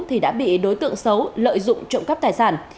thì đã bị đối tượng xấu lợi dụng trộm cắp tài sản